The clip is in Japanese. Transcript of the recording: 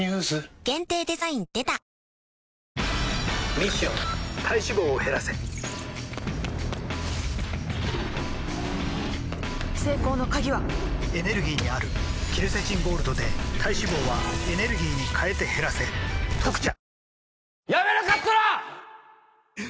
ミッション体脂肪を減らせ成功の鍵はエネルギーにあるケルセチンゴールドで体脂肪はエネルギーに変えて減らせ「特茶」